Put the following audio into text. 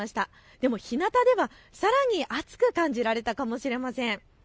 でも、ひなたではさらに暑く感じられたかもしれません。